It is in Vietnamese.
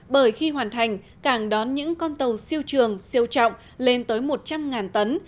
bởi khi hoàn thành cảng đón những con tàu siêu trường siêu trọng lên tới một trăm linh tấn